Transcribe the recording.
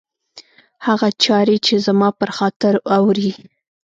هغه چاري چي زما پر خاطر اوري